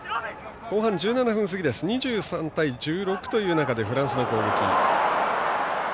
後半１７分過ぎ２３対１６という中でフランスの攻撃。